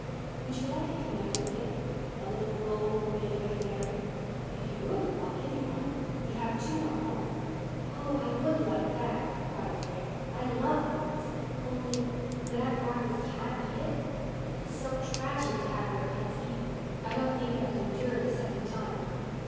Would you like a canary, Faith—a little golden bit of a canary? If you would I'll give you one. We have two up home." "Oh, I would like that," cried Faith. "I love birds. Only—would Aunt Martha's cat eat it? It's so tragic to have your pets eaten. I don't think I could endure it a second time."